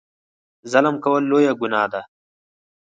ظلم کول لویه ګناه ده.